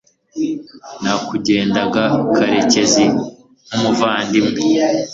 nakundaga karekezi nkumuvandimwe